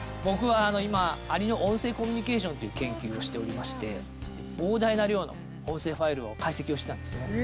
僕は今アリの音声コミュニケーションという研究をしておりまして膨大な量の音声ファイルを解析をしてたんですね。